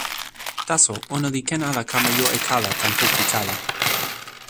taso, ona li ken ala kama jo e kala tan poki kala.